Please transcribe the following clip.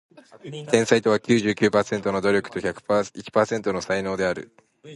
天才とは九十九パーセントの努力と一パーセントの才能である